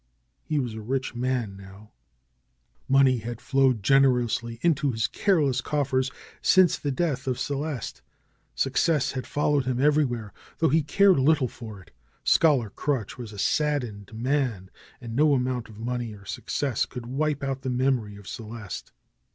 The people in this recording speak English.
He was a rich man now. Money had flowed gener DR. SCHOLAR CRUTCH 151 ously into his careless coffers since the death of Ce leste. Success had followed him everywhere, though he cared little for it. Scholar Crutch was a saddened man. And no amount of money or success could wipe out the memory of Celeste.